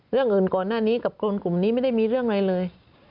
เรื่องอื่นก่อนหน้านี้กับคนกลุ่มนี้ไม่ได้มีเรื่องอะไรเลย